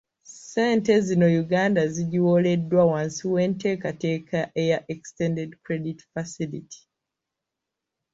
Ssente zino Uganda zigiwoleddwa wansi w'enteekateeka eya Extended Credit Facility.